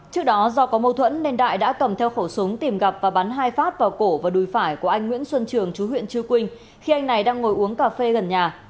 trước đó do có mâu thuẫn nên đại đã cầm theo khẩu súng tìm gặp và bắn hai phát vào cổ và đùi phải của anh nguyễn xuân trường chú huyện chư quynh khi anh này đang ngồi uống cà phê gần nhà